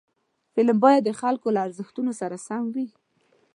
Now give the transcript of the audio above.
فلم باید د خلکو له ارزښتونو سره سم وي